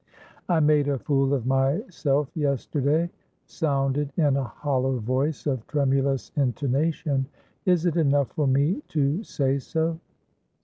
"I made a fool of myself yesterday," sounded in a hollow voice, of tremulous intonation. "Is it enough for me to say so?"